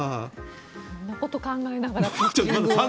色んなことを考えながら。